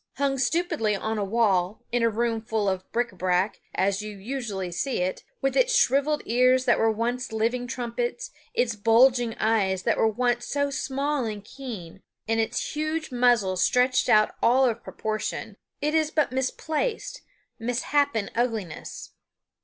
Hung stupidly on a wall, in a room full of bric a brac, as you usually see it, with its shriveled ears that were once living trumpets, its bulging eyes that were once so small and keen, and its huge muzzle stretched out of all proportion, it is but misplaced, misshapen ugliness.